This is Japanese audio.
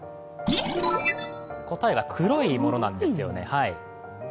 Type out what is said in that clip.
答えは黒いものなんですよね。